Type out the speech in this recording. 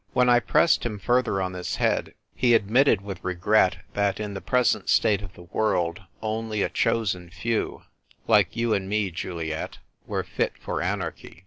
When I pressed him further on this head, he admitted with regret that in the present state of the world only a chosen few — "like you and me, Juliet" — were fit for anarchy.